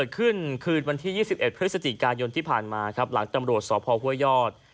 คืนวันที่๒๑พฤศจิกายนที่ผ่านมาครับหลังตำรวจสพห้วยยอด